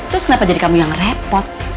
terus kenapa jadi kamu yang repot